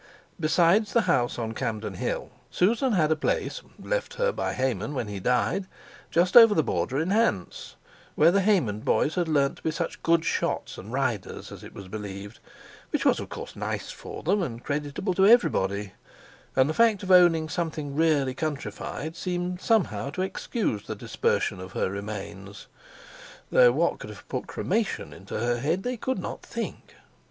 Besides the house on Campden Hill, Susan had a place (left her by Hayman when he died) just over the border in Hants, where the Hayman boys had learned to be such good shots and riders, as it was believed, which was of course nice for them, and creditable to everybody; and the fact of owning something really countrified seemed somehow to excuse the dispersion of her remains—though what could have put cremation into her head they could not think!